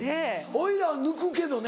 おいらは抜くけどね